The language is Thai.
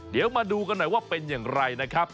เดี๋ยวมาดูกันหน่อยว่าเป็นอย่างไรนะครับ